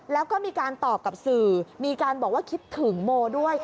แล้วก็มีการตอบกับสื่อมีการบอกว่าคิดถึงโมด้วย